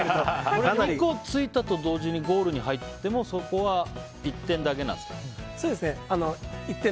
これ、ついたと同時にゴールに入ってもそこは１点だけなんですか？